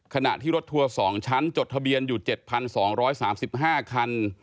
ขณะที่รถทัวร์๒ชั้นจดทะเบียนอยู่๗๒๓๕คัน